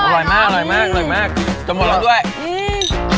อร่อยเนอะอร่อยมากจะหมดแล้วด้วยอื้อ